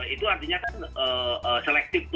itu artinya kan selektif